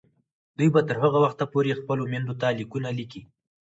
دوی به تر هغه وخته پورې خپلو میندو ته لیکونه لیکي.